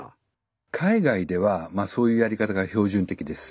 海外ではまあそういうやり方が標準的です。